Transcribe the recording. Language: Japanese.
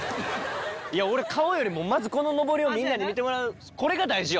俺顔よりもまずこののぼりをみんなに見てもらうこれが大事よ。